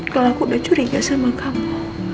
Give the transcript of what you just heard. kalau aku udah curiga sama kamu